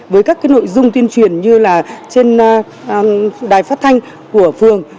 với các nội dung tuyên truyền như là trên đài phát thanh của phường